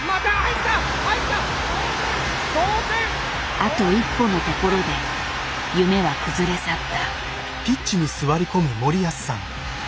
あと一歩のところで夢は崩れ去った。